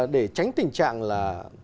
để tránh tình trạng là